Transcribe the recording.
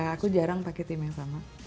aku jarang pakai tim yang sama